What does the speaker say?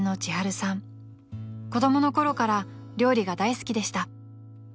［子供のころから料理が大好きでした］